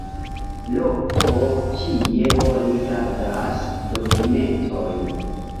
Loko kie oni gardas dokumentojn.